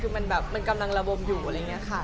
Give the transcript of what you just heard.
คือมันแบบมันกำลังระบมอยู่อะไรอย่างนี้ค่ะ